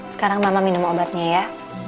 sekarang mama minum obatnya ya